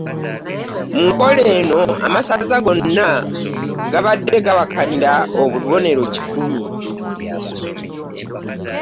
Mu nkola eno, amasaza gonna gabadde awakanira obubonero kikumi